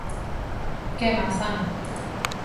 ¡Kemasá!